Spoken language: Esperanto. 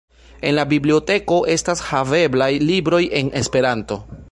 En la biblioteko estas haveblaj libroj en Esperanto.